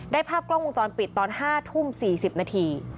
ภาพกล้องวงจรปิดตอน๕ทุ่ม๔๐นาที